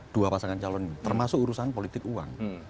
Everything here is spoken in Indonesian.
dua pasangan calon termasuk urusan politik uang